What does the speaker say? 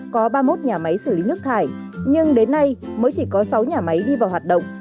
có ba mươi một nhà máy xử lý nước thải nhưng đến nay mới chỉ có sáu nhà máy đi vào hoạt động